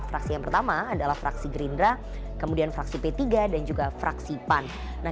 fraksi yang pertama adalah fraksi gerindra kemudian fraksi p tiga dan juga fraksi pan